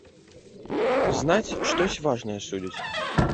Знаць, штось важнае судзяць.